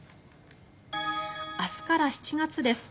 明日から７月です。